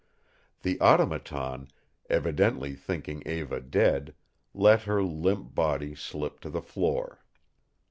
The Automaton, evidently thinking Eva dead, let her limp body slip to the floor.